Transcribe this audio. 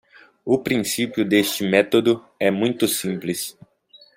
O princípio deste método é muito simples